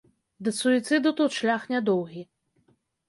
Да суіцыду тут шлях нядоўгі.